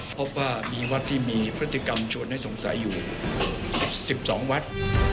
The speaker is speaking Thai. พบว่ามีวัดที่มีพฤติกรรมชวนให้สงสัยอยู่๑๒วัด